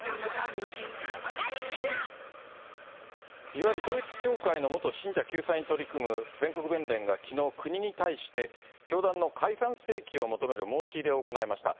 いわゆる統一教会の元信者救済に取り組む全国弁連がきのう、国に対して教団の解散請求を求める申し入れを行いました。